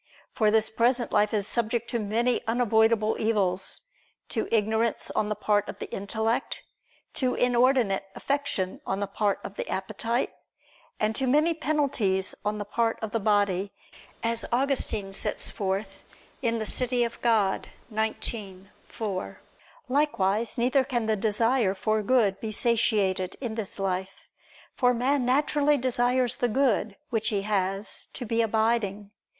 For this present life is subject to many unavoidable evils; to ignorance on the part of the intellect; to inordinate affection on the part of the appetite, and to many penalties on the part of the body; as Augustine sets forth in De Civ. Dei xix, 4. Likewise neither can the desire for good be satiated in this life. For man naturally desires the good, which he has, to be abiding.